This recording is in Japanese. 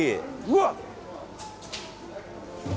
うわっ！